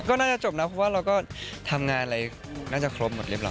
ก็น่าจะจบนะเพราะว่าเราก็ทำงานอะไรน่าจะครบหมดเรียบร้อ